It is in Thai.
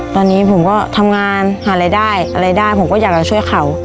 ตอนนี้ผมก็ทำงานหารายได้อะไรได้ผมก็อยากจะช่วยเขา